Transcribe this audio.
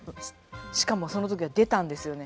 しかもその時は出たんですよね。